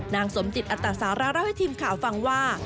นางสมจิตอัตสาระเล่าให้ทีมข่าวฟังว่า